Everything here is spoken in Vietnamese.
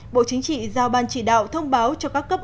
bộ chính trị giao ban chỉ đạo thông báo cho các cấp